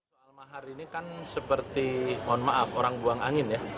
soal mahar ini kan seperti mohon maaf orang buang angin ya